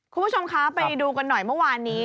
คุณผู้ชมคะไปดูกันหน่อยเมื่อวานนี้